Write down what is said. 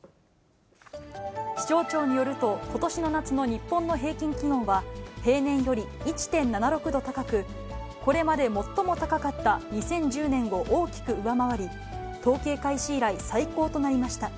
気象庁によると、ことしの夏の日本の平均気温は、平年より１．７６度高く、これまで最も高かった２０１０年を大きく上回り、統計開始以来、最高となりました。